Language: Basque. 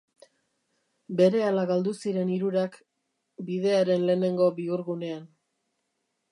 Berehala galdu ziren hirurak bidearen lehenengo bihurgunean.